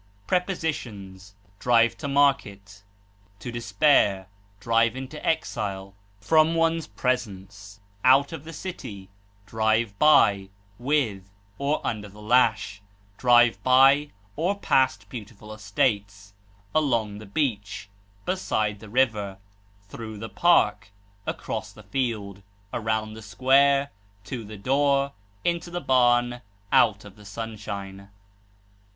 Prepositions: Drive to market; to despair; drive into exile; from one's presence; out of the city; drive by, with, or under the lash; drive by or past beautiful estates; along the beach; beside the river; through the park; across the field; around the square; to the door; into the barn; out of the sunshine.